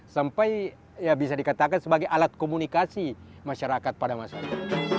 sampai bisa dikatakan sebagai alat komunikasi masyarakat pada masa itu